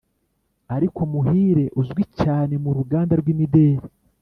Ariko muhire uzwi cyane mu ruganda rw’imideli